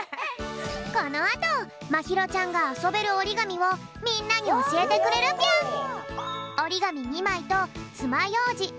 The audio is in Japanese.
このあとまひろちゃんがあそべるおりがみをみんなにおしえてくれるぴょん！をつかうよ。